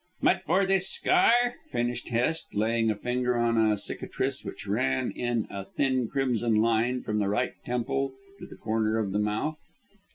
"But for this scar?" finished Hest, laying a finger on a cicatrice which ran in a thin crimson line from the right temple to the corner of the mouth.